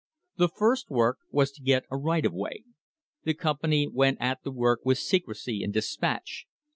* The first work was to get a right of way. The company went at the work with secrecy and despatch.